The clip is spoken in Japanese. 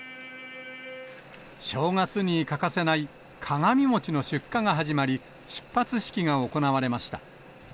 正月に欠かせない鏡餅の出荷が始まり、出発式が行われました。